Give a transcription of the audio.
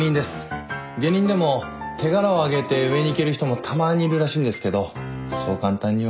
下忍でも手柄を挙げて上に行ける人もたまにいるらしいんですけどそう簡単には。